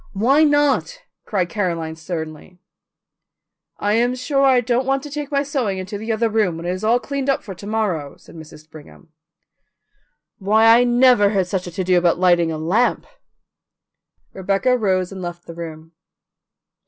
Why not?" cried Caroline sternly. "I am sure I don't want to take my sewing into the other room, when it is all cleaned up for to morrow," said Mrs. Brigham. "Why, I never heard such a to do about lighting a lamp." Rebecca rose and left the room.